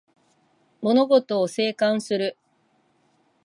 物事を静観する